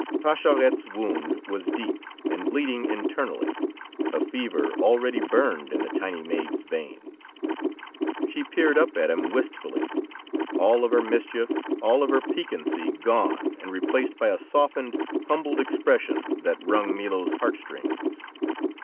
Pascherette's wound was deep, and bleeding internally; a fever already burned in the tiny maid's veins. She peered up at him wistfully, all of her mischief, all her piquancy gone and replaced by a softened, humbled expression that wrung Milo's heart strings.